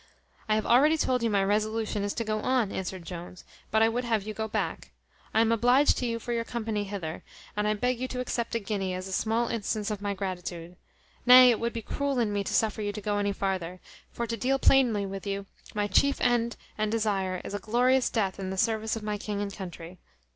"I have already told you my resolution is to go on," answered Jones; "but I would have you go back. I am obliged to you for your company hither; and I beg you to accept a guinea as a small instance of my gratitude. Nay, it would be cruel in me to suffer you to go any farther; for, to deal plainly with you, my chief end and desire is a glorious death in the service of my king and country."